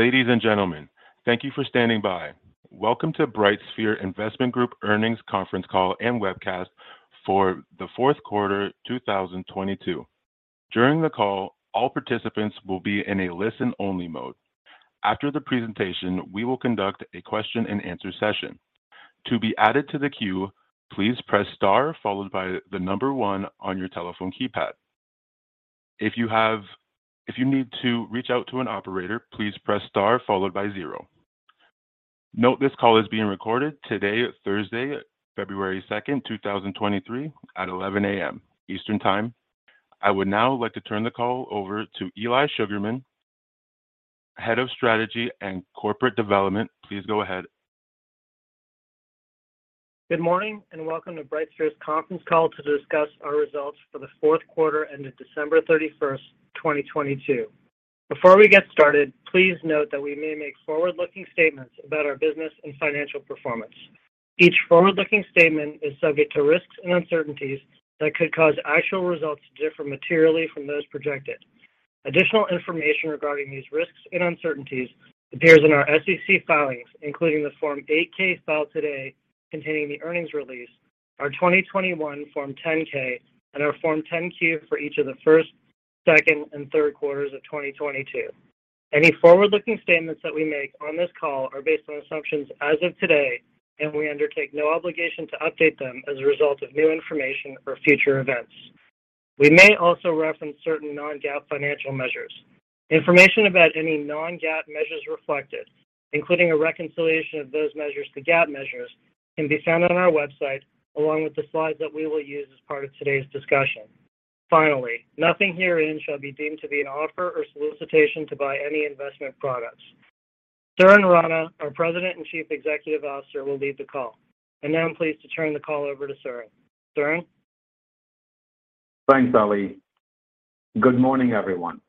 Ladies and gentlemen, thank you for standing by. Welcome to BrightSphere Investment Group earnings conference call and webcast for the Q4 2022. During the call, all participants will be in a listen-only mode. After the presentation, we will conduct a Q&A session. To be added to the queue, please press star one on your telephone keypad. If you need to reach out to an operator, please press star zero. Note this call is being recorded today, Thursday, February 2, 2023 at 11:00 A.M. Eastern time. I would now like to turn the call over to Elie Sugarman, Head of Strategy and Corporate Development. Please go ahead. Good morning. Welcome to BrightSphere's conference call to discuss our results for the Q4 ended December 31, 2022. Before we get started, please note that we may make forward-looking statements about our business and financial performance. Each forward-looking statement is subject to risks and uncertainties that could cause actual results to differ materially from those projected. Additional information regarding these risks and uncertainties appears in our SEC filings, including the Form 8-K filed today containing the earnings release, our 2021 Form 10-K, and our Form 10-Q for each of the first, second, and Q3s of 2022. Any forward-looking statements that we make on this call are based on assumptions as of today. We undertake no obligation to update them as a result of new information or future events. We may also reference certain non-GAAP financial measures. Information about any non-GAAP measures reflected, including a reconciliation of those measures to GAAP measures, can be found on our website along with the slides that we will use as part of today's discussion. Finally, nothing herein shall be deemed to be an offer or solicitation to buy any investment products. Suren Rana, our President and Chief Executive Officer, will lead the call. Now I'm pleased to turn the call over to Suren. Suren? Thanks, Elie. Good morning, everyone.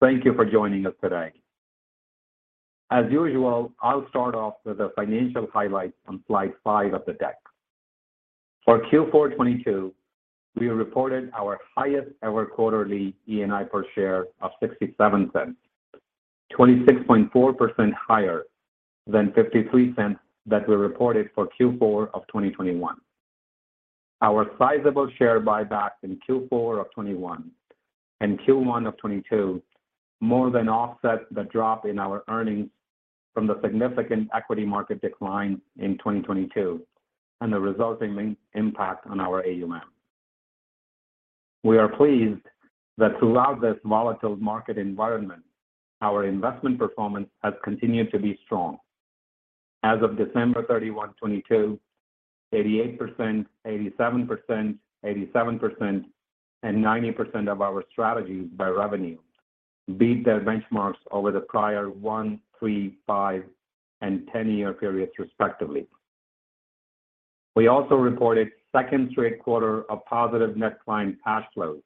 Thank you for joining us today. As usual, I'll start off with the financial highlights on slide 5 of the deck. For Q4 2022, we reported our highest ever quarterly EPS without NRI of $0.67, 26.4% higher than $0.53 that were reported for Q4 2021. Our sizable share buyback in Q4 2021 and Q1 2022 more than offset the drop in our earnings from the significant equity market decline in 2022 and the resulting impact on our AUM. We are pleased that throughout this volatile market environment, our investment performance has continued to be strong. As of December 31, 2022, 88%, 87%, 87%, and 90% of our strategies by revenue beat their benchmarks over the prior one, three, five, and 10-year periods, respectively. We also reported second straight quarter of positive net client cash flows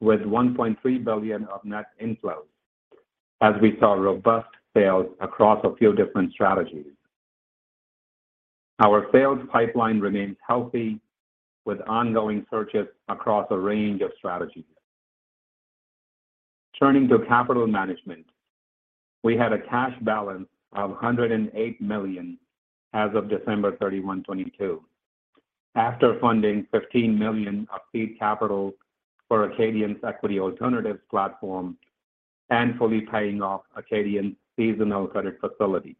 with $1.3 billion of net inflows as we saw robust sales across a few different strategies. Our sales pipeline remains healthy with ongoing searches across a range of strategies. Turning to capital management, we had a cash balance of $108 million as of December 31, 2022 after funding $15 million of seed capital for Acadian's Equity Alternatives platform and fully paying off Acadian's seasonal credit facility.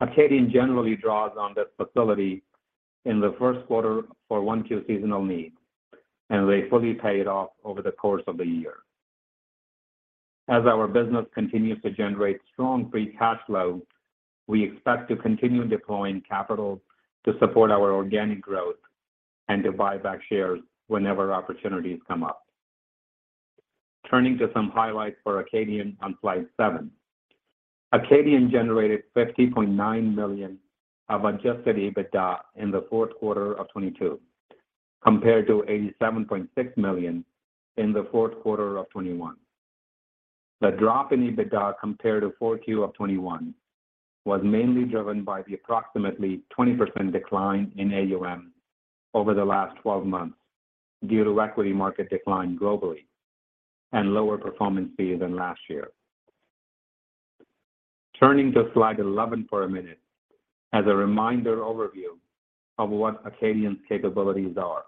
Acadian generally draws on this facility in the Q1 for one, two seasonal needs, and they fully pay it off over the course of the year. As our business continues to generate strong free cash flow, we expect to continue deploying capital to support our organic growth and to buy back shares whenever opportunities come up. Turning to some highlights for Acadian on slide seven. Acadian generated $50.9 million of adjusted EBITDA in the Q4 of 2022, compared to $87.6 million in the Q4 of 2021. The drop in EBITDA compared to 4Q of 2021 was mainly driven by the approximately 20% decline in AUM over the last 12 months due to equity market decline globally and lower performance fee than last year. Turning to slide 11 for a minute as a reminder overview of what Acadian's capabilities are.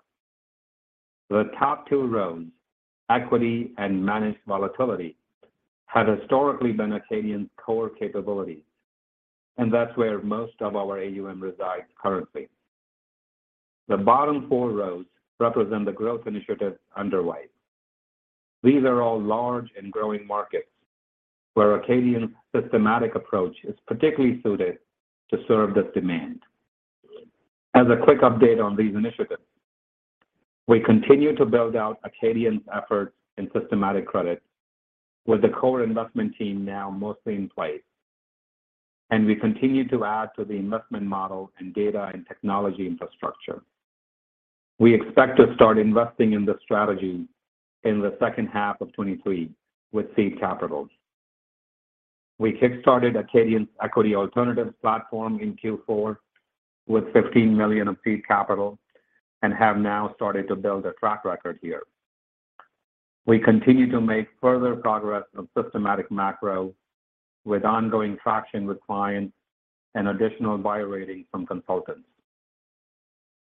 The top two rows, equity and Managed Volatility, have historically been Acadian's core capabilities. That's where most of our AUM resides currently. The bottom four rows represent the growth initiatives underway. These are all large and growing markets where Acadian's systematic approach is particularly suited to serve this demand. As a quick update on these initiatives, we continue to build out Acadian's efforts in Systematic Credit, with the core investment team now mostly in place. We continue to add to the investment model and data and technology infrastructure. We expect to start investing in this strategy in the H2 of 2023 with seed capital. We kick-started Acadian's Equity Alternatives platform in Q4 with $15 million of seed capital. Have now started to build a track record here. We continue to make further progress of Systematic Macro with ongoing traction with clients and additional buy rating from consultants.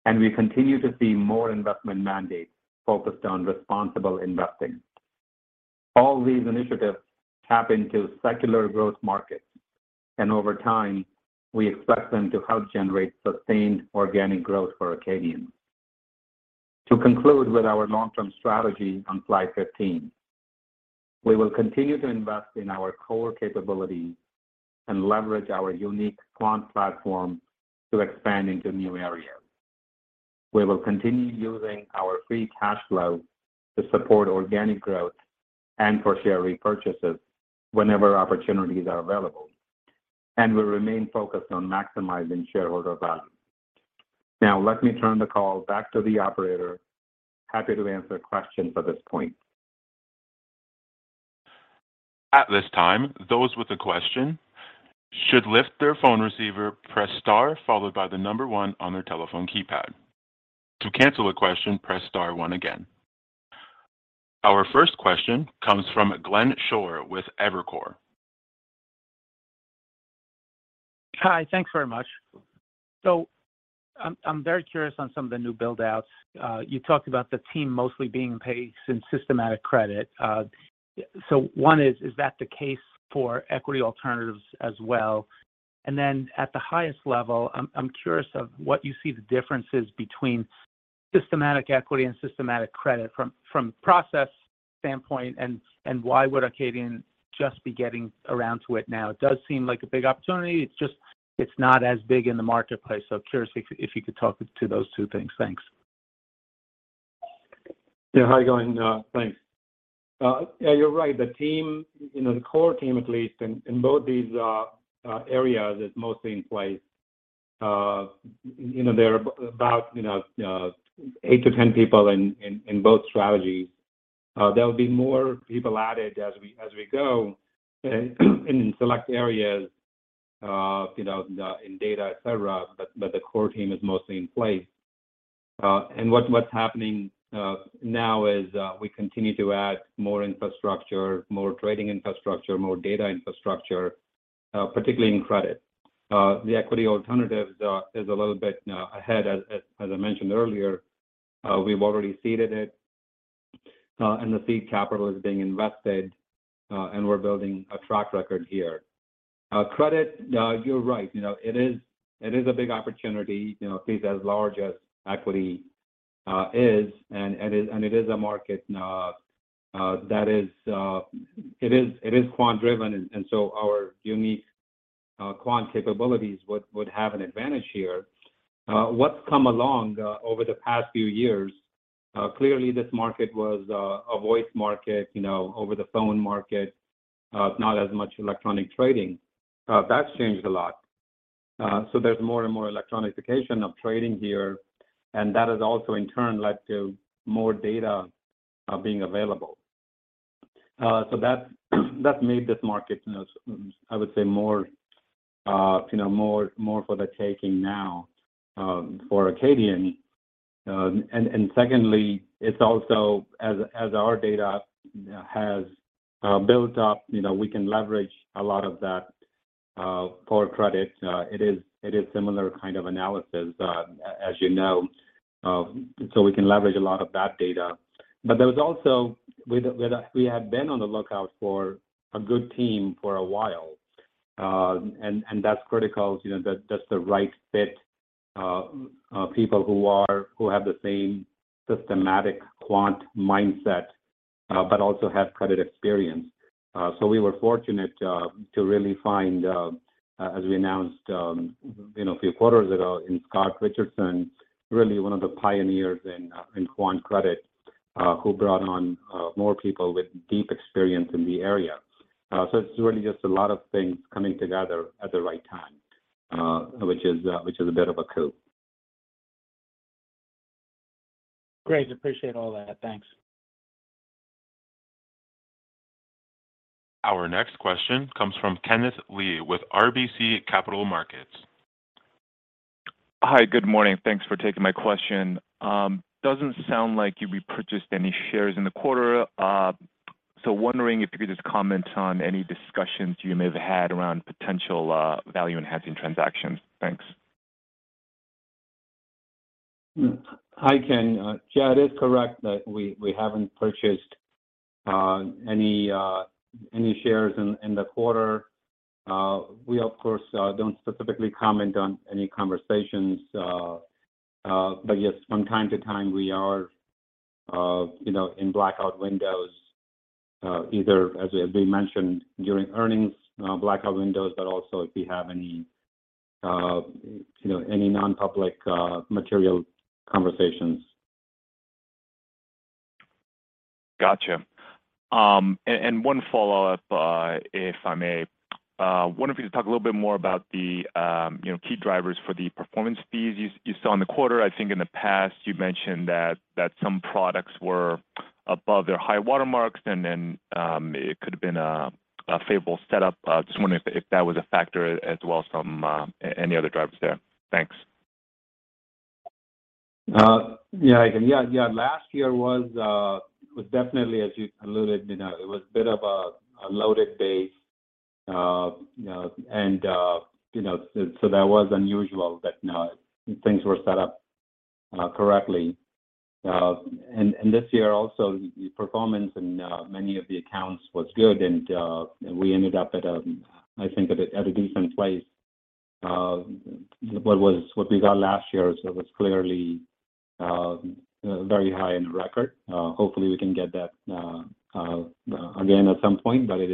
We continue to see more investment mandates focused on Responsible Investing. All these initiatives tap into secular growth markets. Over time, we expect them to help generate sustained organic growth for Acadian. To conclude with our long-term strategy on slide 15, we will continue to invest in our core capabilities and leverage our unique quant platform to expand into new areas. We will continue using our free cash flow to support organic growth and for share repurchases whenever opportunities are available. We remain focused on maximizing shareholder value. Now, let me turn the call back to the operator. Happy to answer questions at this point. At this time, those with a question should lift their phone receiver, press star followed by the number one on their telephone keypad. To cancel a question, press star one again. Our first question comes from Glenn Schorr with Evercore. Hi. Thanks very much. I'm very curious on some of the new build-outs. You talked about the team mostly being in place in Systematic Credit. One is that the case for Equity Alternatives as well? At the highest level, I'm curious of what you see the differences between systematic equity and Systematic Credit from process standpoint, and why would Acadian just be getting around to it now? It does seem like a big opportunity. It's just it's not as big in the marketplace. Curious if you could talk to those two things. Thanks. Yeah. How you going? Thanks. Yeah, you're right. The team, you know, the core team, at least in both these areas is mostly in place. You know, there are about, you know, 8 to 10 people in both strategies. There'll be more people added as we go in select areas, in data et cetera. The core team is mostly in place. What's happening now is we continue to add more infrastructure, more trading infrastructure, more data infrastructure, particularly in credit. The Equity Alternatives is a little bit ahead as I mentioned earlier. We've already seeded it, and the seed capital is being invested, and we're building a track record here. Credit, you're right. You know, it is a big opportunity, you know, at least as large as equity is. It is a market that is it is quant driven, so our unique quant capabilities would have an advantage here. What's come along over the past few years, clearly this market was a voice market, you know, over the phone market, not as much electronic trading. That's changed a lot. So there's more and more electronication of trading here, and that has also in turn led to more data being available. So that's made this market, you know, I would say more, you know, more for the taking now for Acadian. Secondly, it's also as our data has built up, you know, we can leverage a lot of that for credit. It is similar kind of analysis as you know. We can leverage a lot of that data. There's also we'd been on the lookout for a good team for a while. That's critical, you know, that's the right fit, people who are, who have the same systematic quant mindset, but also have credit experience. We were fortunate to really find, as we announced, you know, a few quarters ago in Scott Richardson, really one of the pioneers in quant credit, who brought on more people with deep experience in the area. It's really just a lot of things coming together at the right time, which is, which is a bit of a coup. Great. Appreciate all that. Thanks. Our next question comes from Kenneth Lee with RBC Capital Markets. Hi. Good morning. Thanks for taking my question. Doesn't sound like you repurchased any shares in the quarter. Wondering if you could just comment on any discussions you may have had around potential value enhancing transactions. Thanks. Hi, Ken. Yeah, it is correct that we haven't purchased any shares in the quarter. We of course don't specifically comment on any conversations, but yes, from time to time we are, you know, in blackout windows, either as we mentioned during earnings blackout windows, but also if we have any, you know, any non-public material conversations. Gotcha. One follow-up, if I may. Wanted for you to talk a little bit more about the, you know, key drivers for the performance fees you saw in the quarter. I think in the past you've mentioned that some products were Above their high watermarks, and then, it could've been a favorable setup. Just wondering if that was a factor as well from any other drivers there. Thanks. Yeah, yeah. Last year was definitely, as you alluded, you know, it was a bit of a loaded base. You know, and you know, so that was unusual that things were set up correctly. This year also, the performance in many of the accounts was good and we ended up at I think at a decent place. What we got last year was clearly very high in the record. Hopefully we can get that again at some point, but it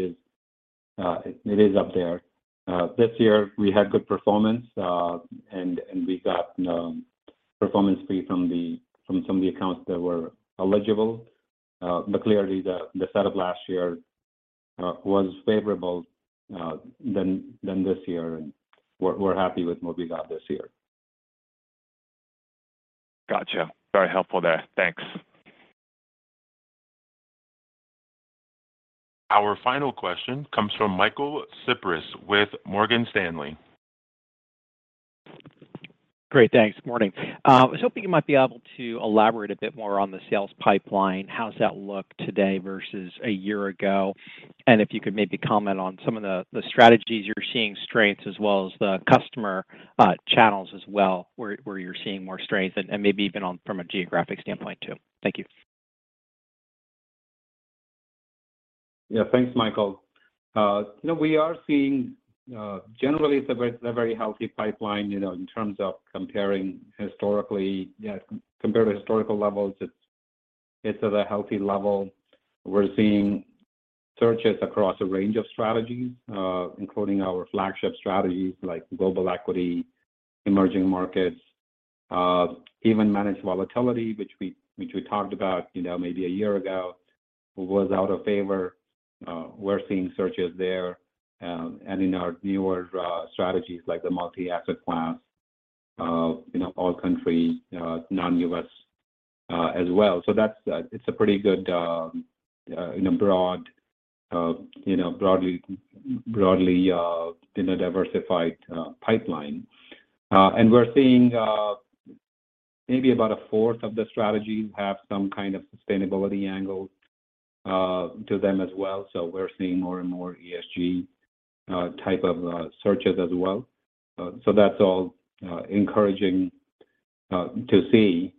is up there. This year we had good performance, and we got performance fee from some of the accounts that were eligible. Clearly the setup last year, was favorable, than this year, and we're happy with what we got this year. Gotcha. Very helpful there. Thanks. Our final question comes from Michael Cyprys with Morgan Stanley. Great, thanks. Morning. Was hoping you might be able to elaborate a bit more on the sales pipeline. How's that look today versus a year ago? If you could maybe comment on some of the strategies you're seeing strengths as well as the customer channels as well, where you're seeing more strength and maybe even on from a geographic standpoint too. Thank you. Yeah. Thanks, Michael. you know, we are seeing, generally it's a very healthy pipeline, you know, in terms of comparing historically. Yeah, compared to historical levels, it's at a healthy level. We're seeing searches across a range of strategies, including our flagship strategies like Global Equity, Emerging Markets, even Managed Volatility, which we talked about, you know, maybe a year ago, was out of favor. We're seeing searches there. In our newer strategies like the Multi-Asset Class, you know, all countries, non-U.S. as well. That's, it's a pretty good, in a broad, you know, broadly diversified pipeline. We're seeing, maybe about a fourth of the strategies have some kind of sustainability angle to them as well. We're seeing more and more ESG type of searches as well. That's all encouraging to see.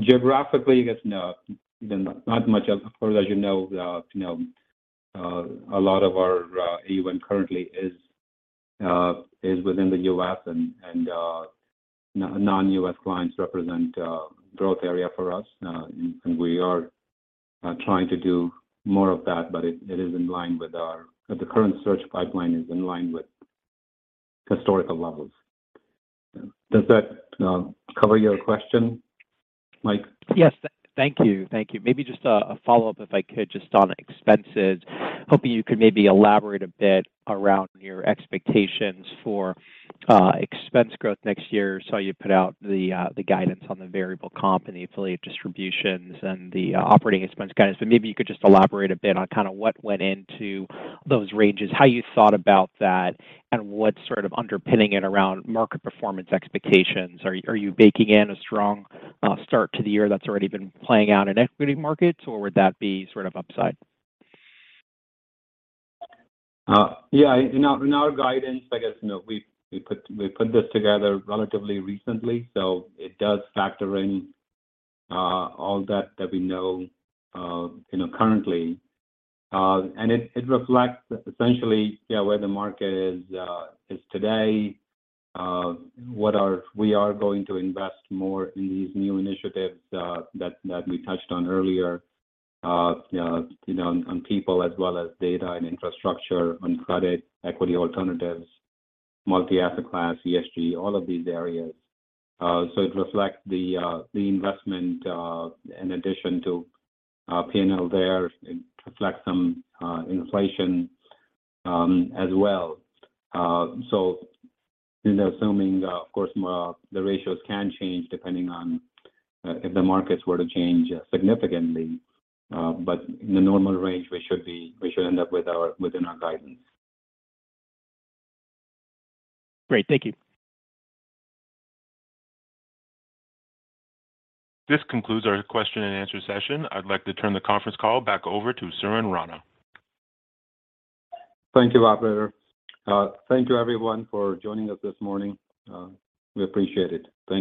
Geographically, I guess, no, not much. Of course, as you know, you know, a lot of our AUM currently is within the U.S., and non-U.S. clients represent a growth area for us. And we are trying to do more of that, but it is in line with our. The current search pipeline is in line with historical levels. Does that cover your question, Mike? Yes. Thank you. Thank you. Maybe just a follow-up, if I could, just on expenses. Hoping you could maybe elaborate a bit around your expectations for expense growth next year. Saw you put out the guidance on the variable comp and the affiliate distributions and the operating expense guidance. Maybe you could just elaborate a bit on kinda what went into those ranges, how you thought about that, and what's sort of underpinning it around market performance expectations. Are you baking in a strong start to the year that's already been playing out in equity markets, or would that be sort of upside? Yeah, in our, in our guidance, I guess, you know, we put this together relatively recently, so it does factor in all that we know, you know, currently. It reflects essentially, yeah, where the market is today, we are going to invest more in these new initiatives that we touched on earlier, you know, on people as well as data and infrastructure, on credit, Equity Alternatives, Multi-Asset Class, ESG, all of these areas. It reflects the investment in addition to P&L there. It reflects some inflation as well. You know, assuming, of course, more the ratios can change depending on if the markets were to change significantly. In the normal range, we should end up within our guidance. Great. Thank you. This concludes our question and answer session. I'd like to turn the conference call back over to Suren Rana. Thank you, operator. Thank you, everyone, for joining us this morning. We appreciate it. Thank you.